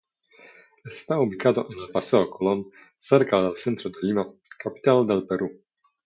Está ubicado en el Paseo Colón cerca al centro de Lima, capital del Perú.